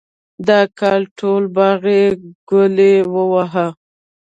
د کال ټول باغ یې ګلي وواهه.